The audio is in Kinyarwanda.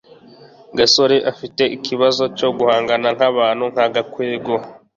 gasore afite ikibazo cyo guhangana nabantu nka gakwego